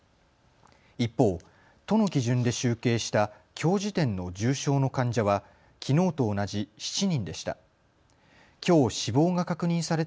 一方、都の基準で集計したきょう時点の重症の患者は、きのうと同じ７人でした。